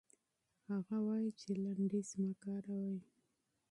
هغه وايي چې لنډيز مه کاروئ.